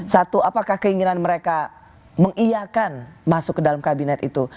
satu apakah keinginan mereka mengiakan masuk ke dalam kabinet itu